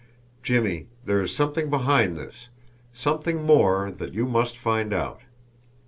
Jimmie, there is something behind this, something more that you must find out.